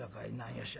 よっしゃ。